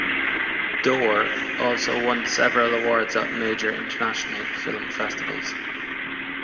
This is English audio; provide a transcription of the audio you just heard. "Door" also won several awards at major international film festivals.